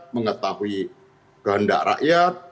mengetahui kehendak rakyat